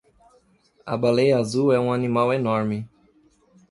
A baleia azul é um animal enorme.